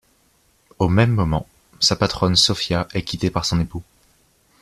Au même moment, sa patronne Sofia est quittée par son époux.